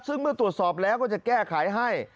ซึ่งเมื่อตรวจสอบแล้วก็จะแก้ไขให้